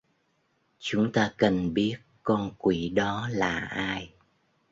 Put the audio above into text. Chúng ta cần biết con quỷ đó là ai